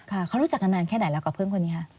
ค่ะเขารู้จักกันนานแค่ไหนแล้วกับเพื่อนคนนี้ค่ะ